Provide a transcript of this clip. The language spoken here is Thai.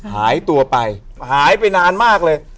หายตัวไปหายไปนานมากเลย